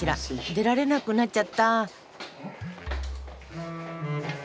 出られなくなっちゃった。